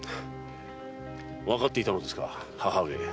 わかっていたのですか母上。